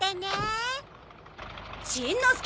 しんのすけ！